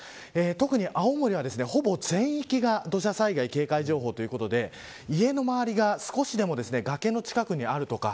特に青森はほぼ全域が土砂災害警戒情報ということで家の周りが少しでも崖の近くにあるとか。